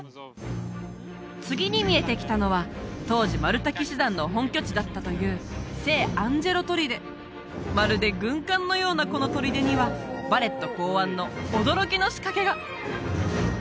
次に見えてきたのは当時マルタ騎士団の本拠地だったという聖アンジェロ砦まるで軍艦のようなこの砦にはヴァレット考案の驚きの仕掛けが！